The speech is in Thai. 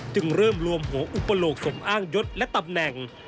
จึงเริ่มรวมหัวอุปโลกสมอ้างยศและตำแหน่ง